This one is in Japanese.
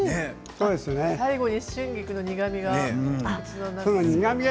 最後に春菊の苦みが広がって。